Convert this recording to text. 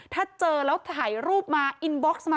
ถ้าเจอแล้วถ่ายรูปมา